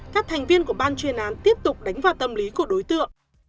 các thành viên của ban chuyên án tiếp tục đánh vào tâm lý của đối tượng